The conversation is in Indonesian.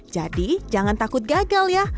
jadi jangan takut gagal ya